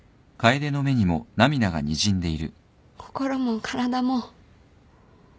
心も体も。